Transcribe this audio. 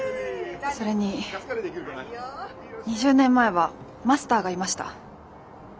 それに２０年前はマスターがいました。